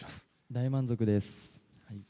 大満足です。